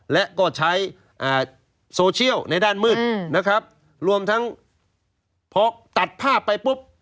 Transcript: และก็ใช้โซเชียลในด้านมืดนะครับรวมทั้งพอตัดภาพไปปุ๊บ